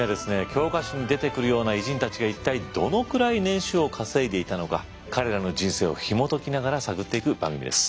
教科書に出てくるような偉人たちが一体どのくらい年収を稼いでいたのか彼らの人生をひも解きながら探っていく番組です。